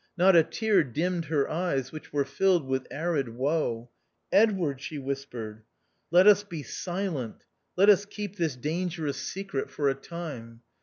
Not a tear dimmed her eyes, which were filled with arid woe. " Edward," she whispered, "let us be silent ; let us keep this dangerous secret for a time.